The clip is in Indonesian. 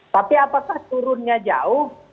tapi apakah turunnya jauh